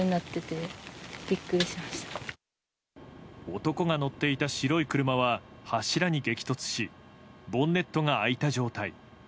男が乗っていた白い車は柱に激突しボンネットが開いた状態。